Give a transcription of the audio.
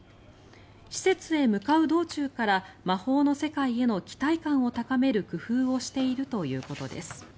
施設へ向かう道中から魔法の世界への期待感を高める工夫をしているということです。